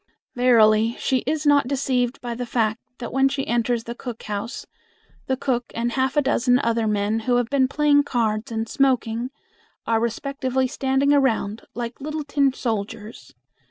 Verily, she is not deceived by the fact that when she enters the cook house the cook and half a dozen other men who have been playing cards and smoking are respectively standing around like little tin soldiers.